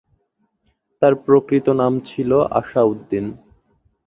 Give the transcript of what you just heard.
তার প্রকৃত নাম ছিল আসা উদ্দীন।